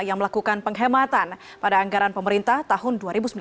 yang melakukan penghematan pada anggaran pemerintah tahun dua ribu sembilan belas